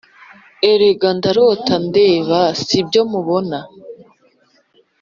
erega ndarota ndeba sibyo mubona